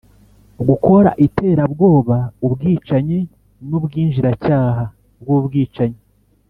gukora iterabwoba, ubwicanyi n’ubwinjiracyaha bw’ubwicanyi.